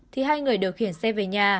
thì hai người điều khiển xe về nhà